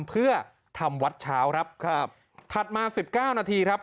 เพื่อทำวัดเช้าครับครับถัดมาสิบเก้านาทีครับ